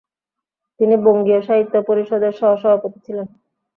তিনি বঙ্গীয় সাহিত্য পরিষদের সহ-সভাপতি ছিলেন।